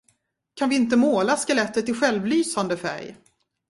Kan vi inte måla skelettet i självlysande färg?